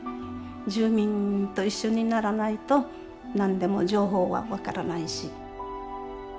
住民と一緒にならないと何でも情報は分からないし。